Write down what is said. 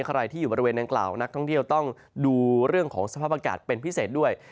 ใครที่อยู่บริเวณดังกล่าวนักท่องเที่ยวต้องดูเรื่องของสภาพอากาศเป็นพิเศษด้วย